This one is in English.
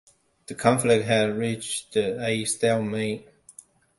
The conflict had reached a stalemate.